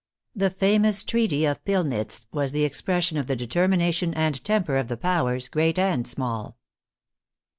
The famous treaty of Pilnitz was the expression of the de termination and temper of the Powers, great and small.